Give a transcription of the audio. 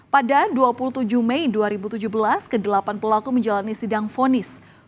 pada dua puluh tujuh mei dua ribu tujuh belas ke delapan pelaku menjalani sidang fonis